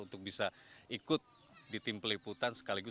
untuk bisa ikut di tim peliputan sekaligus